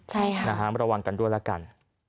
ใช่ค่ะนะฮะมาระวังกันด้วยแล้วกัน